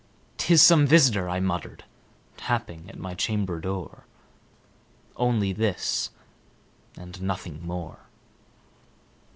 "'T is some visiter," I muttered, "tapping at my chamber door Only this, and nothing more."